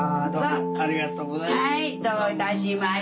ありがとうございます。